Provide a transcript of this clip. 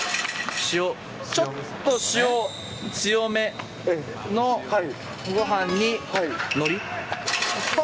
塩、ちょっと塩強めのごはんにのり。